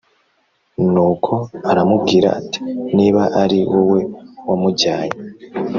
Nuko aramubwira ati niba ari wowe wamujyanye